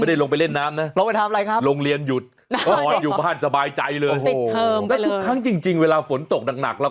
มีแล้วหาวิทยาลัยค่ะโอเคค่ะ